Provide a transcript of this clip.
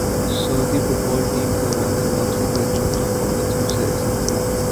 سعودی football team کا وطن واپسی پر جوتوں اور پتھروں سے استقبال